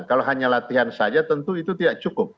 kalau hanya latihan saja tentu itu tidak cukup